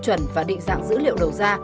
chuẩn và định dạng dữ liệu đầu ra